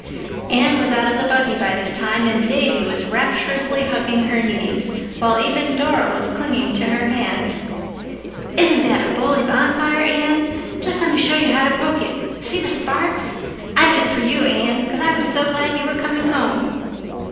Anne was out of the buggy by this time, and Davy was rapturously hugging her knees, while even Dora was clinging to her hand. "Isn't that a bully bonfire, Anne? Just let me show you how to poke it—see the sparks? I did it for you, Anne, 'cause I was so glad you were coming home."